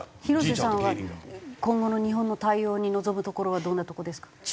廣瀬さんは今後の日本の対応に望むところはどんなとこですか？